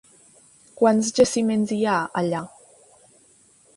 Quants jaciments hi ha allà?